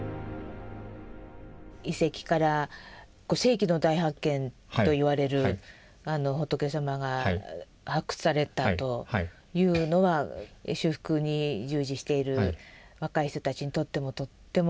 遺跡から世紀の大発見といわれる仏様が発掘されたというのは修復に従事している若い人たちにとってもとっても意味があったことでしょう。